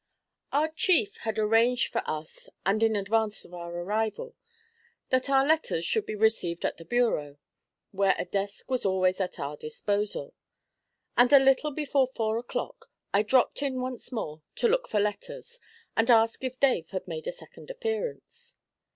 Our chief had arranged for us, and in advance of our arrival, that our letters should be received at the bureau, where a desk was always at our disposal; and a little before four o'clock I dropped in once more to look for letters and ask if Dave had made a second appearance.